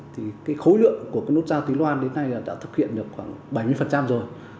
thì cái khối lượng của cái nút giao tính loan đến nay là đã thực hiện được khoảng bảy mươi rồi